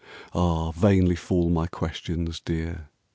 Ah, vainly fall my questions, dear.